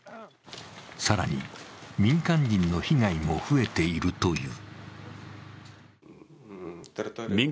更に民間人の被害も増えているという。